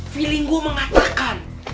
feeling gue mengatakan